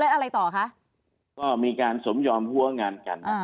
อะไรต่อคะก็มีการสมยอมหัวงานกัน